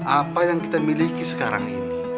apa yang kita miliki sekarang ini